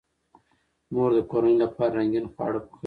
مور د کورنۍ لپاره رنګین خواړه پخوي.